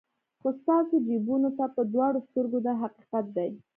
خو ستاسو جیبونو ته په دواړو سترګو دا حقیقت دی.